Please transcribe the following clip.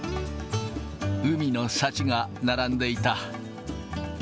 海の幸が並んでいた。